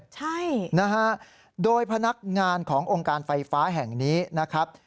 ใช่นะฮะโดยพนักงานขององค์การไฟฟ้าแห่งนี้นะครับ